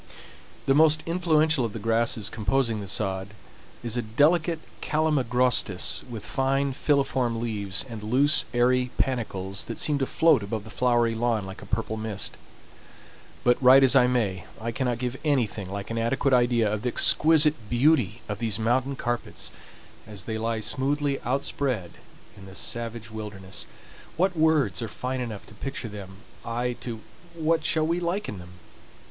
The most influential of the grasses composing the sod is a delicate calamagrostis with fine filiform leaves, and loose, airy panicles that seem to float above the flowery lawn like a purple mist. But, write as I may, I cannot give anything like an adequate idea of the exquisite beauty of these mountain carpets as they lie smoothly outspread in the savage wilderness. What words are fine enough to picture them I to what shall we liken them?